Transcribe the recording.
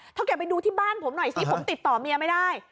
แกไปดูที่บ้านผมหน่อยซิผมติดต่อเมียไม่ได้